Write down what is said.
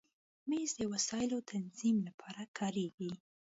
مېز د وسایلو تنظیم لپاره کارېږي.